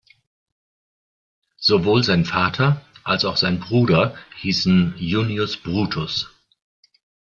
Sowohl sein Vater als auch sein Bruder hießen "Junius Brutus".